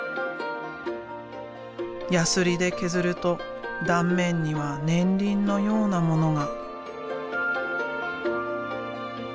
ヤスリで削ると断面には年輪のようなものが。